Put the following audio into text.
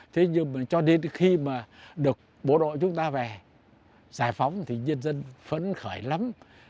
thế nhưng mà cho đến khi mà được bộ đội chúng ta về giải phóng thì nhân dân phấn khởi lắm